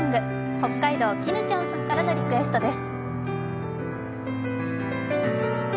北海道、きぬちゃんさんからのリクエストです。